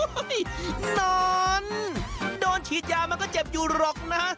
นอนโดนฉีดยามันก็เจ็บอยู่หรอกนะ